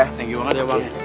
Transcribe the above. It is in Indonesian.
thank you banget ya bang